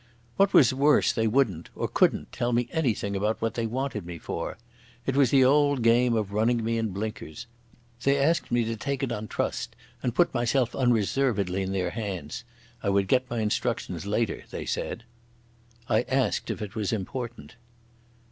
What was worse they wouldn't, or couldn't, tell me anything about what they wanted me for. It was the old game of running me in blinkers. They asked me to take it on trust and put myself unreservedly in their hands. I would get my instructions later, they said. I asked if it was important.